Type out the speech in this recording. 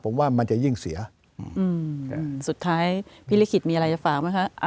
ผมว่ามันจะยิ่งเสียสุดท้ายพี่ลิขิตมีอะไรจะฝากไหมคะ